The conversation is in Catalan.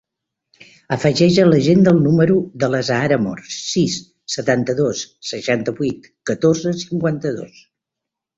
Afegeix a l'agenda el número de l'Azahara Amor: sis, setanta-dos, seixanta-vuit, catorze, cinquanta-dos.